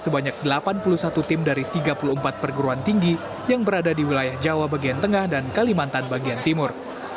sebanyak delapan puluh satu tim dari tiga puluh empat perguruan tinggi yang berada di wilayah jawa bagian tengah dan kalimantan bagian timur